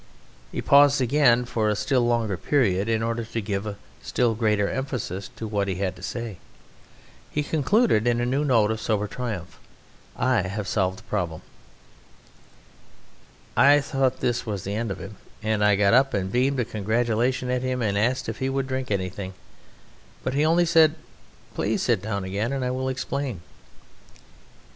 He paused again for a still longer period in order to give still greater emphasis to what he had to say. He concluded in a new note of sober triumph: "I have solved the problem!" I thought this was the end of him, and I got up and beamed a congratulation at him and asked if he would drink anything, but he only said, "Please sit down again and I will explain."